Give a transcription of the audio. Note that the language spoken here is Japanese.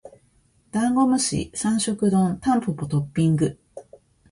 ダンゴムシ三食丼タンポポトッピング